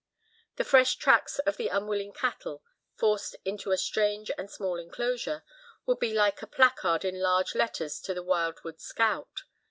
The fresh tracks of the unwilling cattle, forced into a strange and small enclosure, would be like a placard in large letters to the wildwood scout.